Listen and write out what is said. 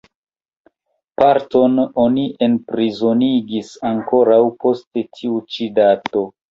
Parton oni enprizonigis ankoraŭ post tiu ĉi dato.